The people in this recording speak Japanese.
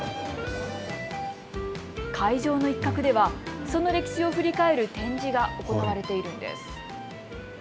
会場の一角では、その歴史を振り返る展示が行われているんです。